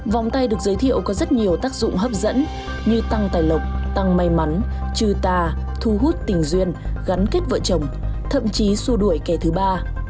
vòng tay được giới thiệu có rất nhiều tác dụng hấp dẫn như tăng tài lộc tăng may mắn trừ tà thu hút tình duyên gắn kết vợ chồng thậm chí xua đuổi kẻ thứ ba